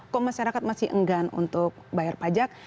kok masyarakat masih enggan untuk bayar pajak